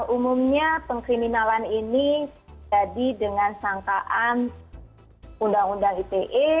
umumnya pengkriminalan ini jadi dengan sangkaan undang undang ite